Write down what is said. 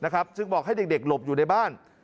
จึงบอกให้เด็กหลบอยู่ในบ้าน